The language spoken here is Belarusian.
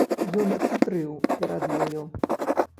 Ён хітрыў перад ёю.